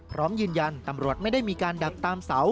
พร้อมยืนยันตำรวจไม่ได้มีการดักตามเสา